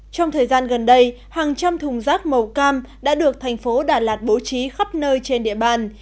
trong thời gian gần đây hàng trăm thùng rác màu cam đã được thành phố đà lạt bố trí khắp nơi trên địa bàn